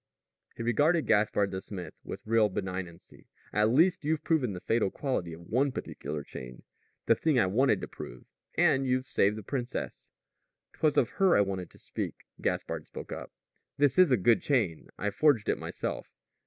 He regarded Gaspard the smith with real benignancy. "At least you've proven the fatal quality of one particular chain the thing I wanted to prove. And you've saved the princess." "'Twas of her I wanted to speak," Gaspard spoke up. "This is a good chain. I forged it myself."